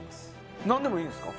なんでもいいんですか？